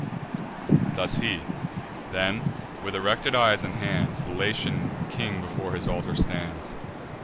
Thus he. Then, with erected eyes and hands, The Latian king before his altar stands.